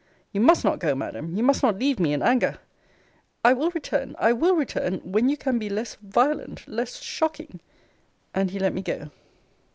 You must not go, Madam! You must not leave me in anger I will return I will return when you can be less violent less shocking. And he let me go.